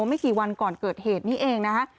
ไม่กี่วันก่อนเกิดเหตุนี้เองนะฮะ